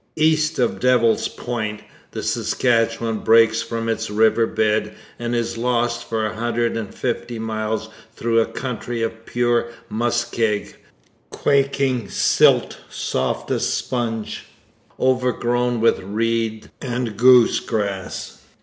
East of Devil's Point, the Saskatchewan breaks from its river bed and is lost for a hundred and fifty miles through a country of pure muskeg, quaking silt soft as sponge, overgrown with reed and goose grass.